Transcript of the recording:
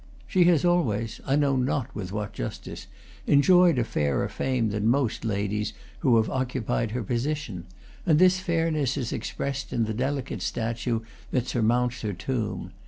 She has always, I know not with what justice, enjoyed a fairer fame than most ladies who have occupied her position, and this fairness is expressed in the delicate statue that surmounts her tomb.